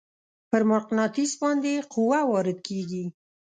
پر مقناطیس باندې قوه وارد کیږي.